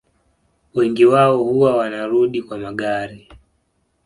Wengi wao huwa wanarudi kwa magari